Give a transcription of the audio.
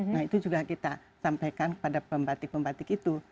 nah itu juga kita sampaikan kepada pembatik pembatik itu